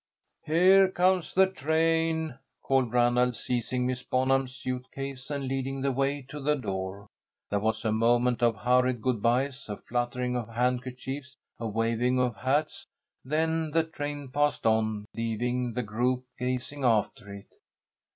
"Here comes the train!" called Ranald, seizing Miss Bonham's suit case and leading the way to the door. There was a moment of hurried good byes, a fluttering of handkerchiefs, a waving of hats. Then the train passed on, leaving the group gazing after it.